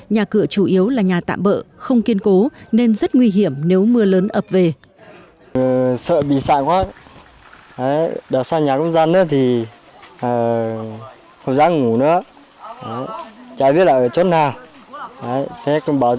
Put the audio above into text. nhà cửa chủ yếu là nhà tạm bỡ không kiên cố nên rất nguy hiểm nếu mưa lớn ập về